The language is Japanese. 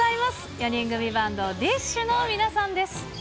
４人組バンド、ＤＩＳＨ／／の皆さんです。